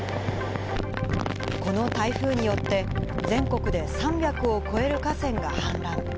この台風によって、全国で３００を超える河川が氾濫。